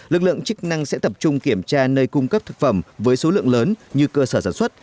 lực lượng chức năng sẽ tập trung kiểm tra nơi cung cấp thực phẩm với số lượng lớn như cơ sở sản xuất